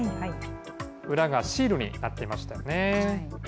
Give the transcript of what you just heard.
裏がシールになっていましたよね。